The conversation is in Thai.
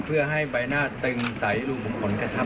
เพื่อให้ใบหน้าตึงใสลูกผลกระชับ